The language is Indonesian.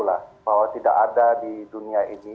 bahwa tidak ada di dunia ini